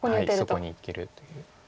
そこにいけるという。